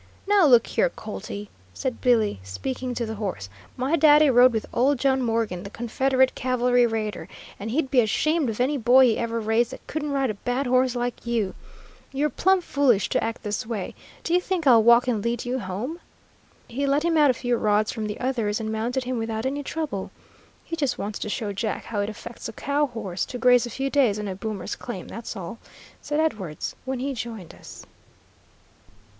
"Now look here, colty," said Billy, speaking to the horse, "my daddy rode with Old John Morgan, the Confederate cavalry raider, and he'd be ashamed of any boy he ever raised that couldn't ride a bad horse like you. You're plum foolish to act this way. Do you think I'll walk and lead you home?" He led him out a few rods from the others and mounted him without any trouble. "He just wants to show Jack how it affects a cow horse to graze a few days on a boomer's claim, that's all," said Edwards, when he joined us.